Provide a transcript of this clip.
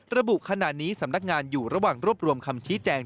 ระบุขณะนี้สำนักงานอยู่ระหว่างรวบรวมคำชี้แจง